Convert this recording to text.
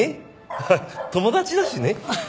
ハハ友達だしね。